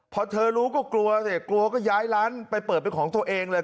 พอเธอรู้ก็กลัวสิกลัวก็ย้ายร้านไปเปิดเป็นของตัวเองเลย